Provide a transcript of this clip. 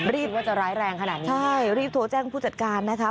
ว่าจะร้ายแรงขนาดนี้ใช่รีบโทรแจ้งผู้จัดการนะคะ